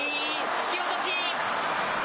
突き落とし。